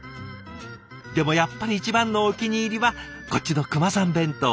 でもやっぱり一番のお気に入りはこっちの「クマさん弁当」。